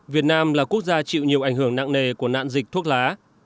việt nam là quốc gia chịu nhiều ảnh hưởng nặng nề của nạn dịch thuốc lá